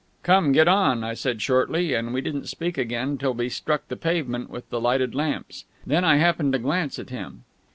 "Come, get on," I said shortly; and we didn't speak again till we struck the pavement with the lighted lamps. Then I happened to glance at him.